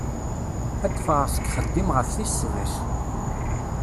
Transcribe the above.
Ad d-ffɣeɣ seg yixeddim ɣef tis sḍis.